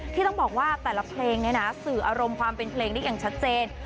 ที่ต้องบอกว่าแต่ละเพลงเนี่ยนะสื่ออารมณ์ความเป็นเพลงได้อย่างชัดเจน